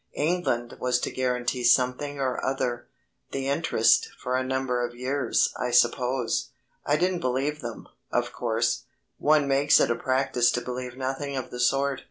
England was to guarantee something or other the interest for a number of years, I suppose. I didn't believe them, of course one makes it a practice to believe nothing of the sort.